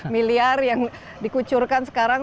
lima miliar yang dikucurkan sekarang